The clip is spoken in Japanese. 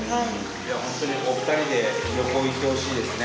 いやほんとにお二人で旅行行ってほしいですね。